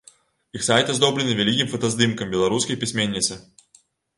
Іх сайт аздобленыя вялікім фотаздымкам беларускай пісьменніцы.